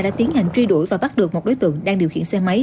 đã tiến hành truy đuổi và bắt được một đối tượng đang điều khiển xe máy